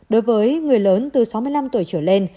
đối với người lớn từ sáu mươi năm tuổi trở lên